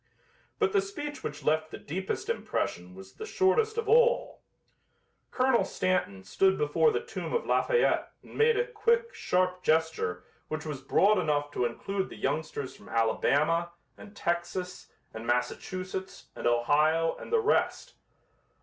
But the speech which left the deepest impression was the shortest of all. Colonel Stanton stood before the tomb of Lafayette and made a quick, sharp gesture which was broad enough to include the youngsters from Alabama and Texas and Massachusetts and Ohio and the rest.